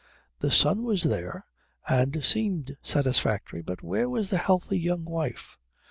The son was there and seemed satisfactory, but where was the healthy young wife?